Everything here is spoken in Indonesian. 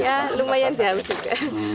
ya lumayan jauh juga